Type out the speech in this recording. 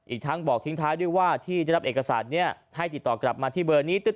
อีกทั้งบอกทิ้งท้ายด้วยว่าที่ได้รับเอกสารนี้ให้ติดต่อกลับมาที่เบอร์นี้